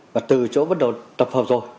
và từ chỗ bắt đầu tập hợp rồi